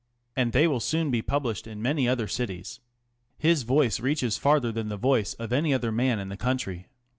And they will soon be published in many other cities. His voice reaches farther than the voice of any other man in the country.